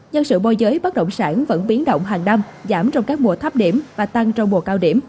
nhân sự bôi giới bất động sản vẫn biến động hàng năm giảm trong các mùa thấp điểm và tăng trong mùa cao điểm